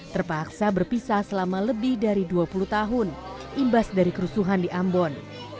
terpaksa berpisah selama lebih dari dua puluh tahun imbas dari kerusuhan di ambon